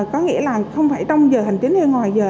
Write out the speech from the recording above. có nghĩa là không phải trong giờ hành chính hay ngoài giờ